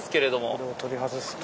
これを取り外すと。